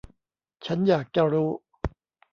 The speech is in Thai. ฉันอยากจะรู้.